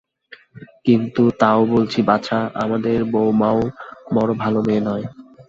কিন্তু, তাও বলি বাছা, আমাদের বৌমাও বড় ভাল মেয়ে নয়।